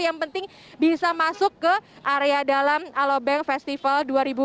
yang penting bisa masuk ke area dalam alobank festival dua ribu dua puluh